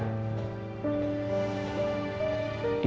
ibu udah pasrah